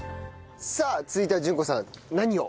さあ続いては順子さん何を？